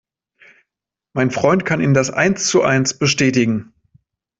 Mein Freund kann Ihnen das eins zu eins bestätigen.